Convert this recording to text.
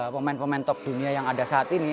pemain pemain top dunia yang ada saat ini